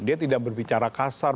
dia tidak berbicara kasar